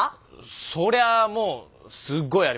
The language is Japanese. そりゃあもうすごいありましたけど。